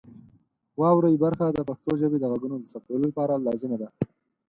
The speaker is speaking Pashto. واورئ برخه د پښتو ژبې د غږونو د ثبتولو لپاره لازمه ده.